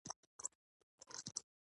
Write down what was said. اعلان د خرڅلاو ځواک زیاتوي.